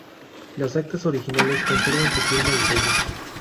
Las actas originales conservan su firma y sello.